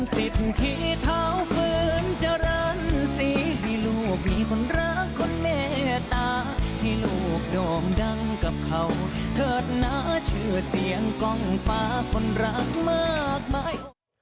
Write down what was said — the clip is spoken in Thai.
เสียงกองพลาดคนรักมากมาย